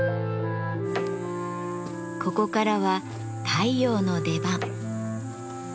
ここからは太陽の出番。